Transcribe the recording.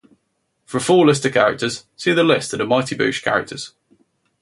For a full list of characters, see the List of The Mighty Boosh characters.